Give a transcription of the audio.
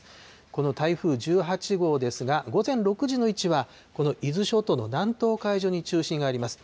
この台風１８号ですが、午前６時の位置は、この伊豆諸島の南東海上に中心があります。